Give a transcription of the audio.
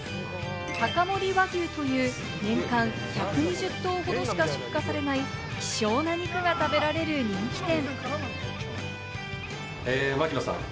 高森和牛という、年間１２０頭ほどしか出荷されない希少な肉が食べられる人気店。